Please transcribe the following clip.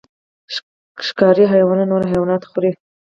ښکاري حیوانات نور حیوانات خوري